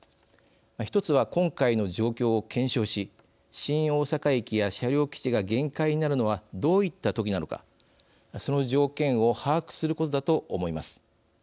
１つは今回の状況を検証し新大阪駅や車両基地が限界になるのはどういった時なのかその条件を把握することだと思います。